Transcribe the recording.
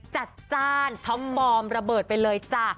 จัดจ้านท็อปฟอร์มระเบิดไปเลยจ้ะ